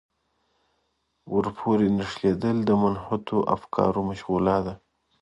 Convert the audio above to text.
ورپورې نښلېدل د منحطو افکارو مشغولا ده.